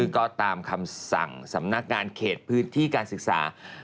ก็ตามคำสั่งสำนักงานเขตพื้นที่การศึกษา